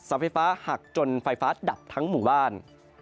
ไฟฟ้าหักจนไฟฟ้าดับทั้งหมู่บ้าน